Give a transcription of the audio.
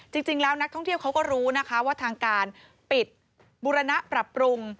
จริงแล้วนักท่องเที่ยวเขาก็รู้นะคะว่าทางการปิดบุรณะปรับปรุง